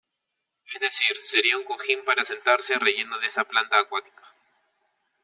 Es decir, sería un cojín para sentarse relleno de esa planta acuática.